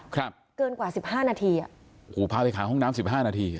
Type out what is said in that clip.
ครับเกินกว่าสิบห้านาทีอ่ะโอ้โหพาไปหาห้องน้ำสิบห้านาที